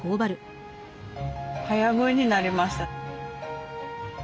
早食いになりました。